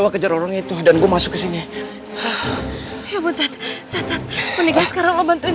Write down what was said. kejar orang itu dan gue masuk ke sini ya buat saat saat menikah sekarang membantuin